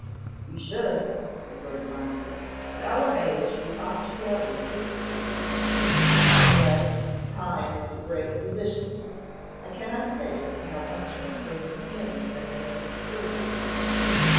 'You should,' said Lord Montfort. 'At our age we ought to rally quickly.' 'Yes! Time is the great physician. I cannot say I have much more faith in him than in the spring.